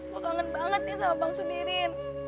wah kangen banget nih sama bang sudirin